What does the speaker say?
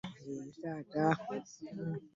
Omuto gy'amanyi anti enkuba gy'etonnya.